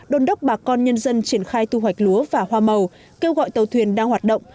đôn đốc bà con nhân dân triển khai thu hoạch lúa và hoa màu kêu gọi tàu thuyền đang hoạt động